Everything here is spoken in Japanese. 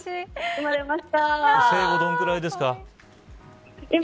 生後どのぐらいですかね。